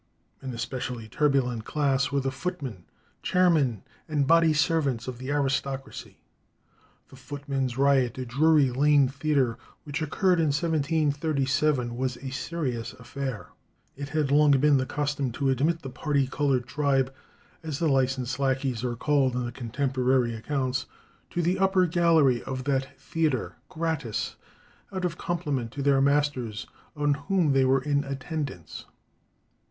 An especially turbulent class were the footmen, chair men, and body servants of the aristocracy. The Footmen's Riot at Drury Lane Theatre, which occurred in 1737, was a serious affair. It had long been the custom to admit the parti coloured tribe, as the licensed lackeys are called in contemporary accounts, to the upper gallery of that theatre gratis, out of compliment to their masters on whom they were in attendance.